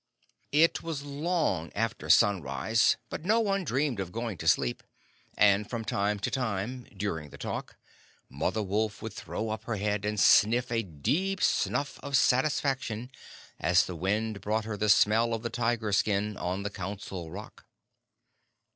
It was long after sunrise, but no one dreamed of going to sleep, and from time to time, during the talk, Mother Wolf would throw up her head, and sniff a deep snuff of satisfaction as the wind brought her the smell of the tiger skin on the Council Rock.